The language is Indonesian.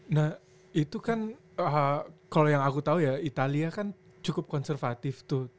nah itu kan kalau yang aku tahu ya italia kan cukup konservatif tuh